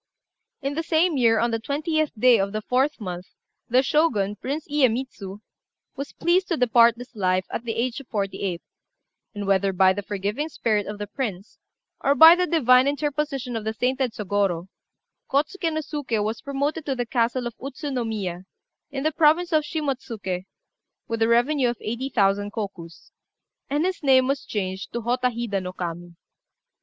In the same year, on the 20th day of the 4th month, the Shogun, Prince Iyémitsu, was pleased to depart this life, at the age of forty eight; and whether by the forgiving spirit of the prince, or by the divine interposition of the sainted Sôgorô, Kôtsuké no Suké was promoted to the castle of Utsu no Miya, in the province of Shimotsuké, with a revenue of eighty thousand kokus; and his name was changed to Hotta Hida no Kami.